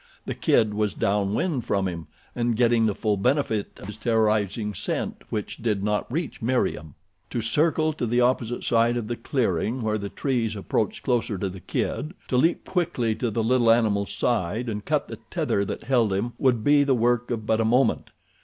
The kid was down wind from him and getting the full benefit of his terrorizing scent, which did not reach Meriem. To circle to the opposite side of the clearing where the trees approached closer to the kid. To leap quickly to the little animal's side and cut the tether that held him would be the work of but a moment.